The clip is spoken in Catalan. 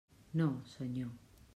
No, senyor.